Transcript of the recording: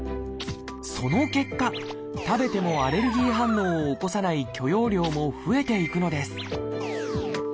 その結果食べてもアレルギー反応を起こさない許容量も増えていくのです